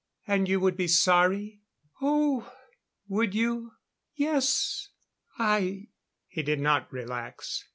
"And you would be sorry?" "Oh " "Would you?" "Yes, I " He did not relax.